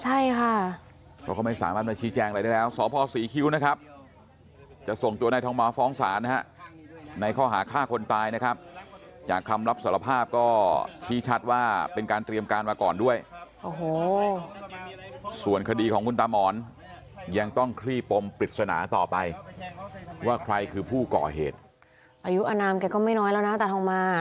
ใช่ค่ะเพราะเขาไม่สามารถมาชี้แจงอะไรได้แล้วสพศรีคิ้วนะครับจะส่งตัวนายทองมาฟ้องศาลนะฮะในข้อหาฆ่าคนตายนะครับจากคำรับสารภาพก็ชี้ชัดว่าเป็นการเตรียมการมาก่อนด้วยโอ้โหส่วนคดีของคุณตามอนยังต้องคลี่ปมปริศนาต่อไปว่าใครคือผู้ก่อเหตุอายุอนามแกก็ไม่น้อยแล้วนะตาทองมา